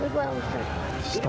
beri pak ustadz